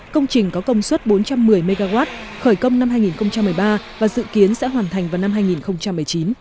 công trình có công suất bốn trăm một mươi mw khởi công năm hai nghìn một mươi ba và dự kiến sẽ hoàn thành vào năm hai nghìn một mươi chín